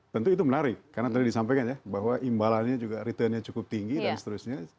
tentu itu menarik karena tadi disampaikan ya bahwa imbalannya juga returnnya cukup tinggi dan seterusnya